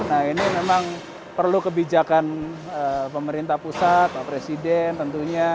nah ini memang perlu kebijakan pemerintah pusat pak presiden tentunya